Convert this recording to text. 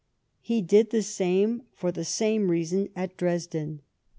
He did the same for the same reason at Dresden.